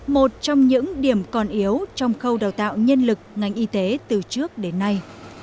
một trong những điểm còn yếu trong khâu đào tạo nhân lực ngành y tế từ trước đến nay